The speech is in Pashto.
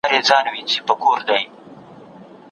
ایا ته د تاریخي پېښو په اړه معلومات لري؟